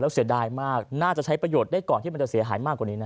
เสียดายมากน่าจะใช้ประโยชน์ได้ก่อนที่มันจะเสียหายมากกว่านี้นะ